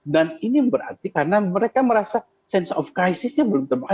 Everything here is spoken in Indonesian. dan ini berarti karena mereka merasa sense of crisisnya belum terbuka